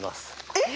えっ？